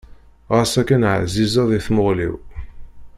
Ɣas akken εzizeḍ i tmuɣli-w.